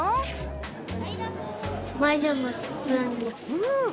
うん。